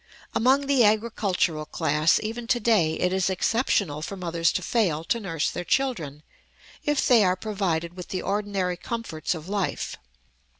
Among the agricultural class, even to day, it is exceptional for mothers to fail to nurse their children, if they are provided with the ordinary comforts of life.